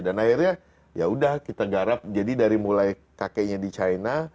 dan akhirnya ya udah kita garap jadi dari mulai kakeknya di china